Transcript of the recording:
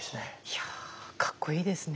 いやかっこいいですね。